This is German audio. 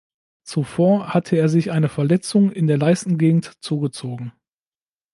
Zuvor hatte er sich eine Verletzung in der Leistengegend zugezogen.